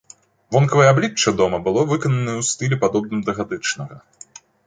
Вонкавае аблічча дома было выкананае ў стылі, падобным да гатычнага.